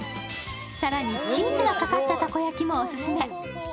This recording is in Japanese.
更にチーズがかかったたこ焼きもオススメ。